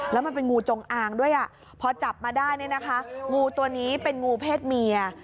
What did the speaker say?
แล้วมันเป็นงูจงอางด้วยพอจับมาได้เนี่ยนะคะงูตัวนี้เป็นงูเพศเมีย